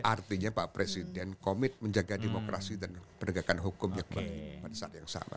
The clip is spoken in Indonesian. artinya pak presiden komit menjaga demokrasi dan penegakan hukum yang sama